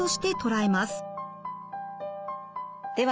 では